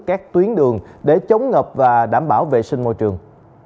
các tuyến đường để chống ngập và đảm bảo vệ sinh môi trường